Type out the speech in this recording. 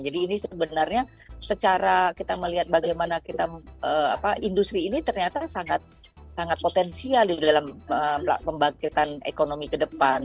jadi ini sebenarnya secara kita melihat bagaimana kita apa industri ini ternyata sangat sangat potensial di dalam pembangkitan ekonomi ke depan